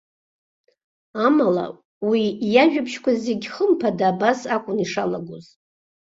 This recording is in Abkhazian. Амала, уи иажәабжьқәа зегьы хымԥада абас акәын ишалагоз.